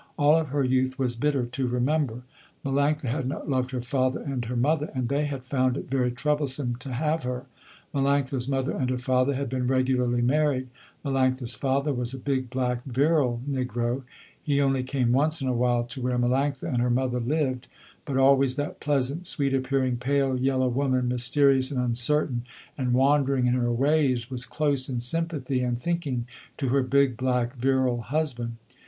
All of her youth was bitter to remember. Melanctha had not loved her father and her mother and they had found it very troublesome to have her. Melanctha's mother and her father had been regularly married. Melanctha's father was a big black virile negro. He only came once in a while to where Melanctha and her mother lived, but always that pleasant, sweet appearing, pale yellow woman, mysterious and uncertain and wandering in her ways, was close in sympathy and thinking to her big black virile husband.